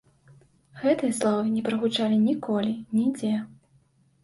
Гэтыя словы не прагучалі ніколі, нідзе.